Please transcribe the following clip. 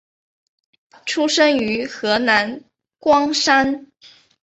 出生于河南光山。